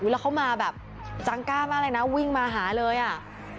แล้วเขามาแบบจังกล้ามากเลยนะวิ่งมาหาเลยอ่ะ